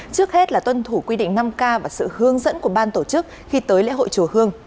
trước hết là tuân thủ quy định năm k và sự hướng dẫn của ban tổ chức khi tới lễ hội chùa hương